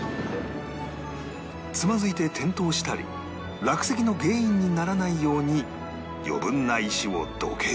つまずいて転倒したり落石の原因にならないように余分な石をどける